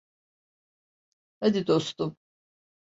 Hadi, dostum.